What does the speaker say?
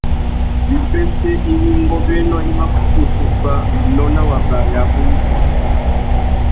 Wipêssê iwí ngôbēnô i mà kutu zu fá winô nà wabari abú wuffuá.